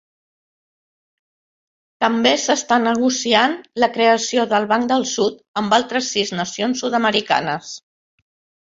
També s'ha estat negociant la creació del Banc del Sud, amb altres sis nacions sud-americanes.